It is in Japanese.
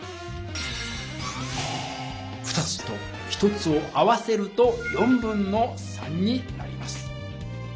２つと１つを合わせると3/4になります。